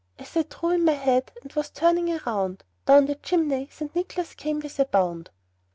As I drew in my head, and was turning around, Down the chimney St. Nicholas came with a bound.